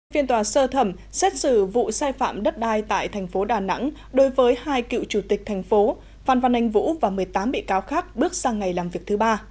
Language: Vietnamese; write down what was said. phiên tòa sơ thẩm xét xử vụ sai phạm đất đai tại tp đà nẵng đối với hai cựu chủ tịch thành phố phan văn anh vũ và một mươi tám bị cáo khác bước sang ngày làm việc thứ ba